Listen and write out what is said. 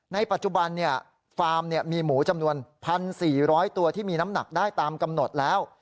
ในปัจจุบันฟาร์มมีหมูจำนวน๑๔๐๐ตัวที่มีน้ำหนักได้ตามกำหนดแล้ว